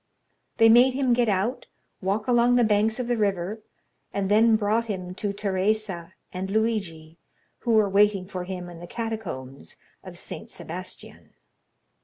They made him get out, walk along the banks of the river, and then brought him to Teresa and Luigi, who were waiting for him in the catacombs of St. Sebastian."